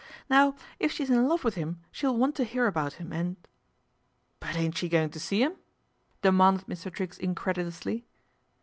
Now if she's in love with him she will want to hear about him, and "" But ain't she going to see 'im ?" demanded Mr. Triggs incredulously.